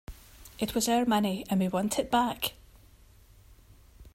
It was our money and we want it back.